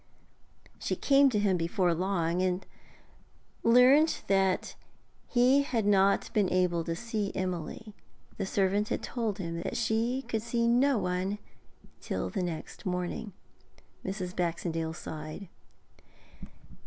She came to him before very long, and learnt that he had not been able to see Emily; the servant had told him that she could see no one till the next morning. Mrs. Baxendale sighed.